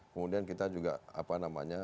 kemudian kita juga apa namanya